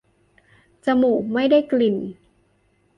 จมูกไม่ได้กลิ่น